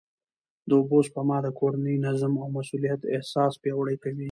د اوبو سپما د کورني نظم او مسؤلیت احساس پیاوړی کوي.